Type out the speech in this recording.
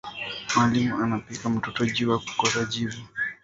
Mwalimu anapika mtoto juya kukosa jibu